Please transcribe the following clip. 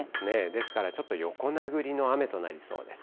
ですからちょっと横殴りの雨となりそうです。